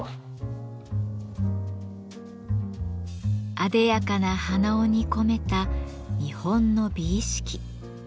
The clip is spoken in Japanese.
あでやかな鼻緒に込めた日本の美意識。